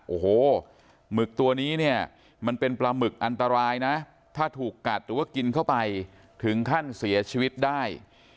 โอ้โหหมึกตัวนี้เนี่ยมันเป็นปลาหมึกอันตรายนะถ้าถูกกัดหรือว่ากินเข้าไปถึงขั้นเสียชีวิตได้